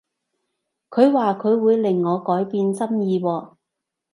佢話佢會令我改變心意喎